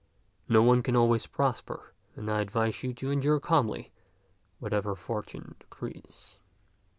No one can always prosper, and I advise you to endure calmly whatever fortune decrees."